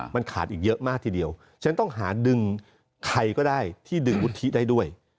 มันขาดอีกเยอะมากทีเดียวฉันต้องหาดึงใครก็ได้ที่ดึงวุฒิได้ด้วย